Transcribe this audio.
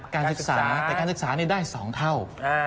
การศึกษาแต่การศึกษาได้๒เท่า